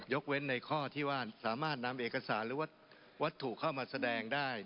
เว้นในข้อที่ว่าสามารถนำเอกสารหรือว่าวัตถุเข้ามาแสดงได้